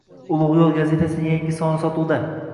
“Ulugʻ yoʻl” gazetasining yangi soni sotuvda!